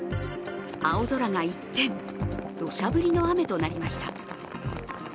青空が一転、どしゃ降りの雨となりました。